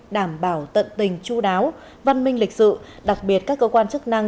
đảm bảo tận tình chú đáo văn minh lịch sự đặc biệt các cơ quan chức năng